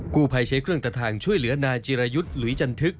กู้ภัยใช้เครื่องตัดทางช่วยเหลือนายจิรายุทธ์หลุยจันทึก